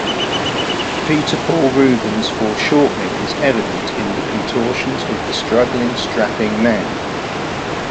Peter Paul Rubens' foreshortening is evident in the contortions of the struggling, strapping men.